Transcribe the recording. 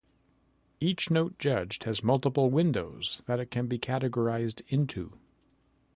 Each note judged has multiple "windows" that it can be categorized into.